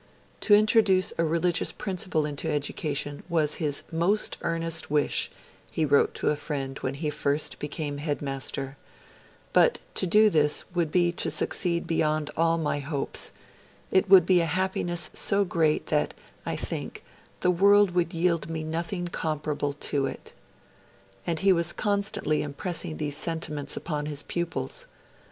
To introduce 'a religious principle into education', was his 'most earnest wish', he wrote to a friend when he first became headmaster; 'but to do this would be to succeed beyond all my hopes; it would be a happiness so great, that, I think, the world would yield me nothing comparable to it'. And he was constantly impressing these sentiments upon his pupils.